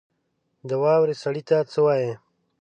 د واورې سړي ته څه وايي؟